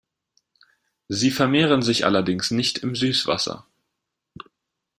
Sie vermehren sich allerdings nicht im Süßwasser.